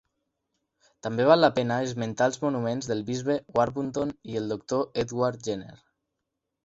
També val la pena esmentar els monuments del Bisbe Warburton i el Doctor Edward Jenner.